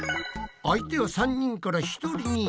相手は３人から１人に。